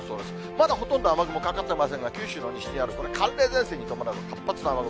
まだほとんど雨雲かかってませんが、九州の西にあるこれ、寒冷前線に伴う活発な雨雲。